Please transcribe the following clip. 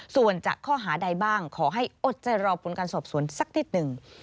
ส่วนจะข้อหาใดบ้างขอให้อดใจรอผลการสอบสวนสักนิดหนึ่ง